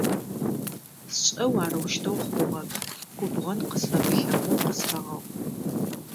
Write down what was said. Сшӏэу арэущтэу хъугъэп! Губгъэн къысфэмылъэгъоу къысфэгъэгъу.